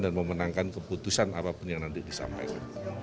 dan memenangkan keputusan apapun yang nanti disampaikan